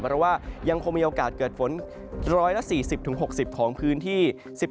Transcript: เพราะว่ายังคงมีโอกาสเกิดฝน๑๔๐๖๐ของพื้นที่